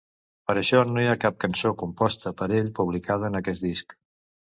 Per això no hi ha cap cançó composta per ell publicada en aquest disc.